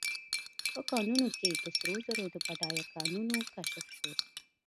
په کانونو کې د سرو زرو د بډایه کانونو کشف شو.